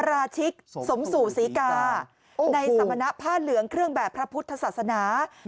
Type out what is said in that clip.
ราชิกสมสู่ศรีกาในสมณะผ้าเหลืองเครื่องแบบพระพุทธศาสนา